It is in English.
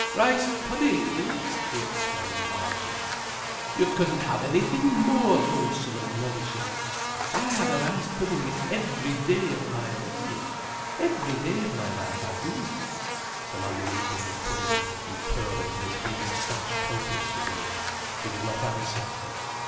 "Rice pudding!" he exclaimed largely. "You couldn't have anything more wholesome and nourishing. I have a rice pudding every day of my life—every day of my life, I do." The man was eating his pudding and pearling his big moustache copiously with it. He did not answer.